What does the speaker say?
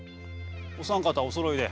お三方おそろいで。